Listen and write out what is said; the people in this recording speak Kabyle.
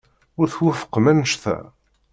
Ur twufqem anect-a?